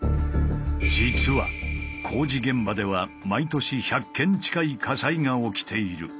実は工事現場では毎年１００件近い火災が起きている。